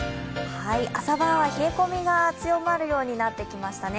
朝晩は冷え込みが強まるようになってきましたね。